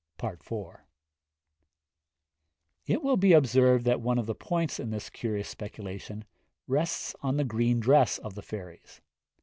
It will be observed that one of the points in this curious speculation rests on the green dress of the fairies.